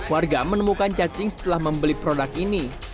warga menemukan cacing setelah membeli produk ini